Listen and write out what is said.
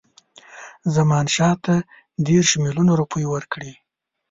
زمانشاه ته دېرش میلیونه روپۍ ورکړي.